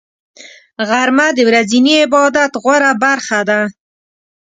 غرمه د ورځني عبادت غوره برخه ده